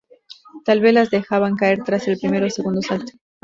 Tal vez las dejaban caer tras el primero o segundo salto.